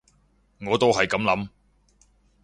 我都係噉諗